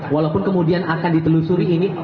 walaupun kemudian akan ditelusuri ini